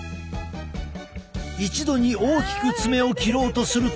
一度に大きく爪を切ろうとすると。